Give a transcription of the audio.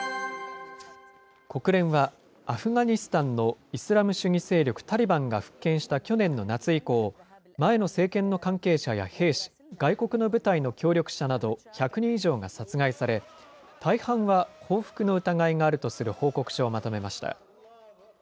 国連は、アフガニスタンのイスラム主義勢力タリバンが復権した去年の夏以降、前の政権の関係者や兵士、外国の部隊の協力者など１００人以上が殺害され、大半は報復の疑いがあるとする報告書をまとめました。